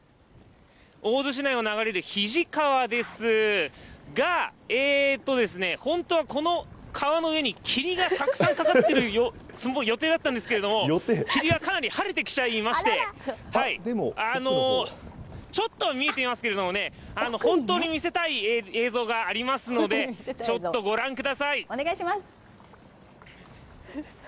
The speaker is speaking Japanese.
大洲市内を流れる肱川ですが、本当はこの川の上に霧がたくさんかかっている予定だったんですけれども、霧がかなり晴れてきちゃいまして、ちょっと見えていますけれどもね、本当に見せたい映像がありますので、ちょっとご覧ください。